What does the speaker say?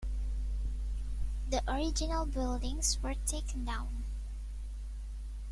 The original buildings were taken down.